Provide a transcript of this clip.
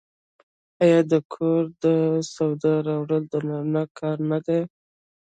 آیا د کور د سودا راوړل د نارینه کار نه دی؟